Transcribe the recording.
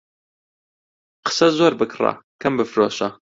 قسە زۆر بکڕە، کەم بفرۆشە.